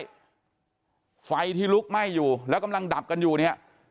ไฟที่ลุกไหม้อยู่แล้วกำลังดับกันอยู่เนี่ย